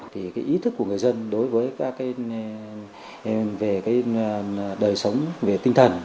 thì cái ý thức của người dân đối với cái đời sống về tinh thần